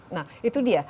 nah itu dia